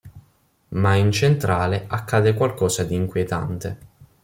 Ma in centrale accade qualcosa di inquietante.